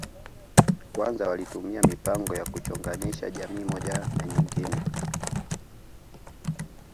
Kwanza walitumia mipango ya kuchonganisha jamii moja na nyingine